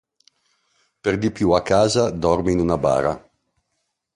Perdipiù a casa dorme in una bara.